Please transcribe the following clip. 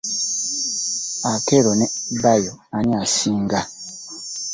Akello ne Bayo ani asinga?